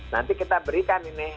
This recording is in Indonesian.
nanti kita berikan ini